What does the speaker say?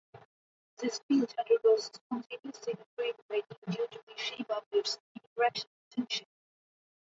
This field undergoes spontaneous symmetry breaking due to the shape of its interaction potential.